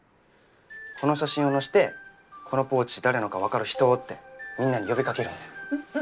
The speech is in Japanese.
この写真を載せて「このポーチ誰のか分かる人？」ってみんなに呼びかけるんだよ。